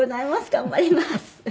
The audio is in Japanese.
頑張ります！